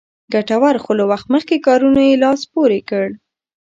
ګټورو خو له وخت مخکې کارونو یې لاس پورې کړ.